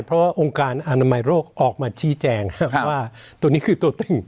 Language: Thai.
เพราะว่าองค์การอนามัยโรคออกมาชี้แจงว่าตัวนี้คือตัวตึ้ง